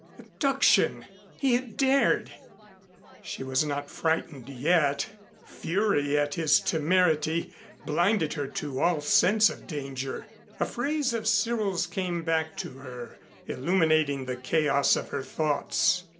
Abduction! He had dared! She was not frightened yet. Fury at his temerity blinded her to all sense of danger. A phrase of Cyril's came back to her, illuminating the chaos of her thoughts.